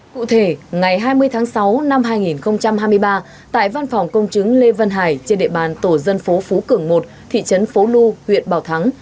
cụ thể ngày hai mươi tháng sáu năm hai nghìn hai mươi ba tại văn phòng công chứng lê văn hải trên địa bàn tổ dân phố phú cường một thị trấn phố lu huyện bảo thắng